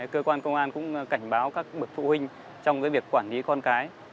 cơ quan công an cũng cảnh báo các bậc phụ huynh trong việc quản lý con cái